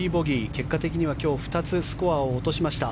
結果的には今日２つスコアを落としました。